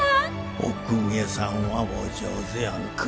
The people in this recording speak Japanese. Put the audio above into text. お公家さんはお上手やなぁ。